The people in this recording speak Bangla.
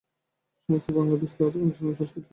সমস্ত বাঙলা দেশ তো তাঁর অনুশাসনেই আজকাল চলছে।